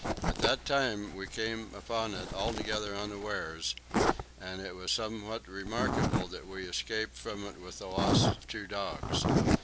At that time we came upon it altogether unawares, and it was somewhat remarkable that we escaped from it with the loss of two dogs.